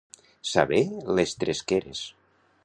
Saber les tresqueres.